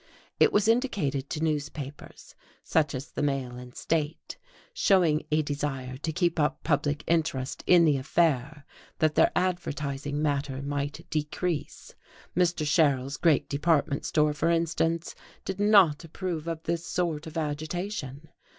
It was indicated to newspapers (such as the Mail and State) showing a desire to keep up public interest in the affair that their advertising matter might decrease; Mr. Sherrill's great department store, for instance, did not approve of this sort of agitation.